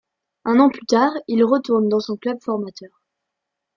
Un an plus tard, il retourne dans son club formateur.